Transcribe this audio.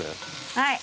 はい。